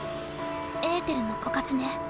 エーテルの枯渇ね。